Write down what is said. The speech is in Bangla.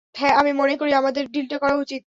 হ্যাঁ, আমি মনে করি আমাদের ডিলটা করা উচিত।